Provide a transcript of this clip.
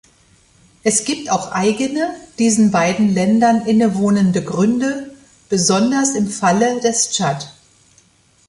Es gibt auch eigene, diesen beiden Ländern innewohnende Gründe, besonders im Falle des Tschad.